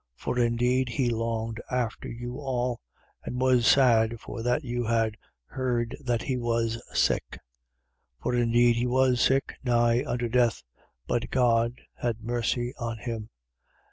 2:26. For indeed he longed after you all: and was sad, for that you had heard that he was sick. 2:27. For indeed he was sick, nigh unto death: but God had mercy on him.